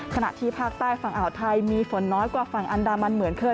ขณะที่ภาคใต้ฝั่งอ่าวไทยมีฝนน้อยกว่าฝั่งอันดามันเหมือนเคย